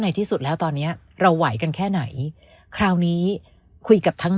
ที่สุดแล้วตอนเนี้ยเราไหวกันแค่ไหนคราวนี้คุยกับทั้ง